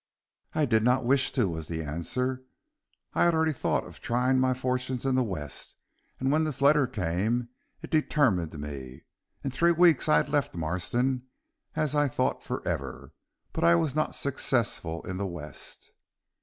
"I did not wish to," was the answer. "I had already thought of trying my fortunes in the West, and when this letter came, it determined me. In three weeks I had left Marston as I thought forever, but I was not successful in the West."